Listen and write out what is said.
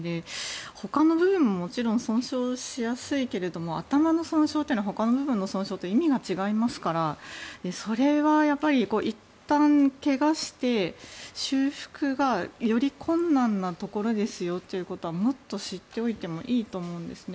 ほかの部分ももちろん損傷しやすいけれども頭の損傷というのはほかの部分の損傷と意味が違いますからそれはやっぱりいったん、怪我して修復がより困難なところですよということはもっと知っておいてもいいと思うんですね。